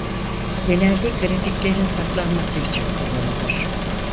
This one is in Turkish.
Genelde grafiklerin saklanması için kullanılır.